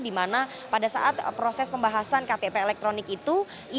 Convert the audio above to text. di mana pada saat proses pembahasan ktp elektronik itu